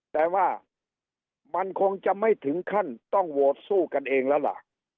แต่ว่ามันคงจะไม่ถึงขั้นต้องโหวตสู้กันเองแล้วล่ะ